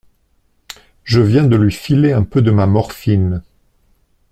je viens de lui filer un peu de ma morphine.